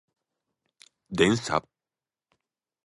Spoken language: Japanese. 電車